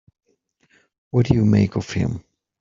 What do you make of him?